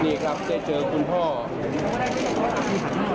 นี่ครับคุณพ่อดูโอกาสหัวข้อมือ